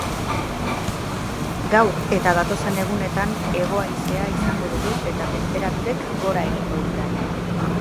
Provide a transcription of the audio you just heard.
Gaur eta datozen egunetan, hego-haizea izango dugu eta tenperaturek gora egingo dute.